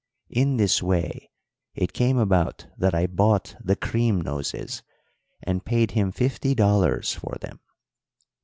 In this way it came about that I bought the cream noses and paid him fifty dollars for them.